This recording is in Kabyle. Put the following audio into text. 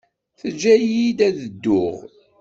Teǧǧa-iyi ad dduɣ.